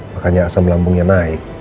makanya asam lambungnya naik